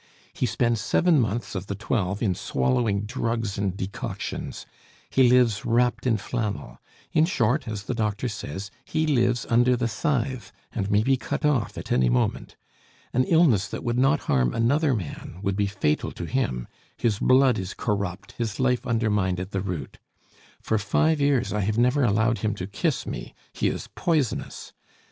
He spends seven months of the twelve in swallowing drugs and decoctions; he lives wrapped in flannel; in short, as the doctor says, he lives under the scythe, and may be cut off at any moment. An illness that would not harm another man would be fatal to him; his blood is corrupt, his life undermined at the root. For five years I have never allowed him to kiss me he is poisonous!